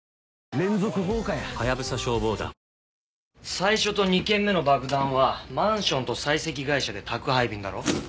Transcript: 最初と２件目の爆弾はマンションと採石会社で宅配便だろ？